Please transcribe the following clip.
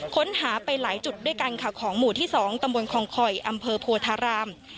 ค้นหาไปหลายจุดด้วยกันค่ะของหมู่ที่๒ตำบลคองคอยอำเภอโพธาราม